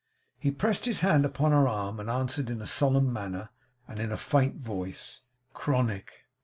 He pressed his hand upon her arm, and answered in a solemn manner, and a faint voice, 'Chronic.